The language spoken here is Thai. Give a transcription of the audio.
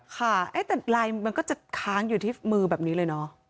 ค่ะแต่ลายมันก็จะค้างอยู่ที่มือแบบนี้เลยเนอะ